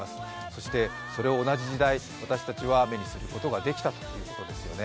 そして、それを同じ時代、私たちは目にすることが出来たということですね